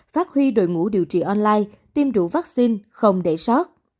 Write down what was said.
phát huy đội ngũ điều trị online tiêm rủ vaccine không để soát